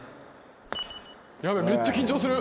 やべえめっちゃ緊張する！